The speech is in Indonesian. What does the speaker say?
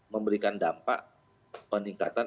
memberikan dampak peningkatan